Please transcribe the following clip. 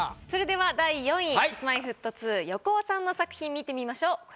それでは第４位Ｋｉｓ−Ｍｙ−Ｆｔ２・横尾さんの作品見てみましょう。